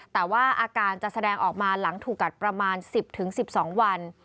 แต่ว่าอาการจะแสดงออกมาหลังถูกกัดประมาณ๑๐๑๒วัน